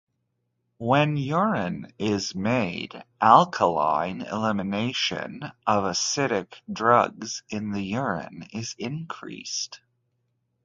When urine is made alkaline, elimination of acidic drugs in the urine is increased.